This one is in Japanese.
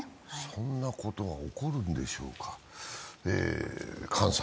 そんなことが起こるんでしょうか。